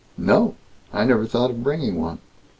"No. I never thought of bringing one."